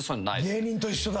芸人と一緒だ。